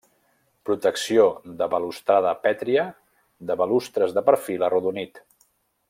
Protecció de balustrada pètria de balustres de perfil arrodonit.